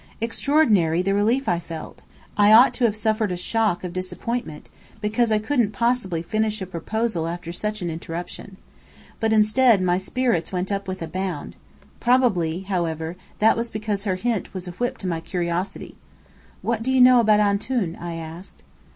Extraordinary, the relief I felt! I ought to have suffered a shock of disappointment, because I couldn't possibly finish a proposal after such an interruption. But instead, my spirits went up with a bound. Probably, however, that was because her hint was a whip to my curiosity. "What do you know about 'Antoun'?" I asked.